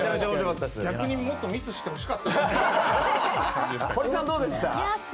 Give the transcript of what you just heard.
逆にもっとミスしてほしかったです。